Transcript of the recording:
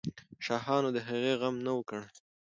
شاهانو د هغې غم نه وو کړی.